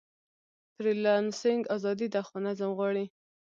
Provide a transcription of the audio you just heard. فریلانسنګ ازادي ده، خو نظم غواړي.